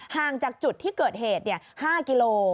ห่างจากจุดที่เกิดเหตุ๕กิโล